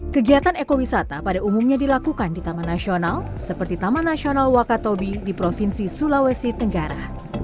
kegiatan ekowisata pada umumnya dilakukan di taman nasional seperti taman nasional wakatobi di provinsi sulawesi tenggara